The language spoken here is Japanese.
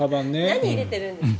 何を入れてるんですか？